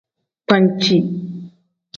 Banci.